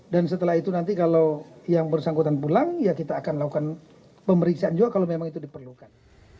dan setelah itu nanti kalau yang bersangkutan pulang ya kita akan melakukan pemeriksaan juga kalau memang itu diperlukan